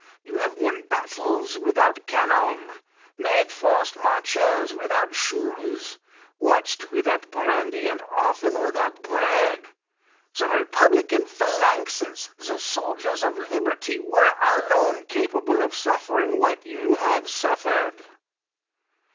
You have won battles without cannon ; made forced marches without shoes ; watched without brandy, and often without bread. The republican phalanxes, the soldiers of liberty were lone capable of suflering what you have suffered.